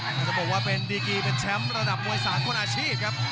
ก็จะบอกว่าเป็นดีกีเป็นแชมป์ระดับมวยสารคนอาชีพครับ